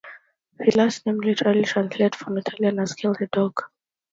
His last name literally translates from Italian as "kill the dog".